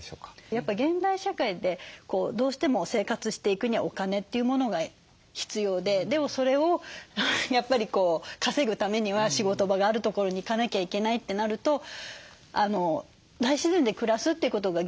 やっぱ現代社会でどうしても生活していくにはお金というものが必要ででもそれをやっぱり稼ぐためには仕事場がある所に行かなきゃいけないってなると大自然で暮らすっていうことが現状できない。